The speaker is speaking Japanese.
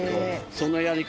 そのやり方